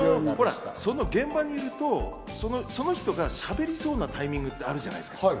現場にいると、その人がしゃべりそうなタイミングってあるじゃないですか。